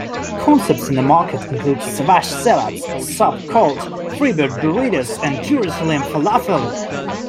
Concepts in the market include Savage Salads, Sub Cult, Freebird Burritos and Jerusalem Falafel.